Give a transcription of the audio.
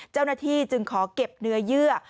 เจ้าหน้าที่จึงขอเก็บเนื้อเยื่อ